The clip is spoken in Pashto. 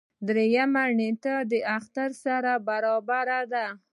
دريیمه نېټه یې د اختر سره برابره ده.